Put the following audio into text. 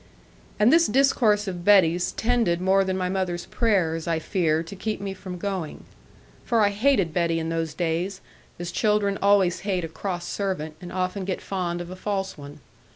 And this discourse of Betty's tended more than my mother's prayers, I fear, to keep me from going. For I hated Betty in those days, as children always hate a cross servant, and often get fond of a false one.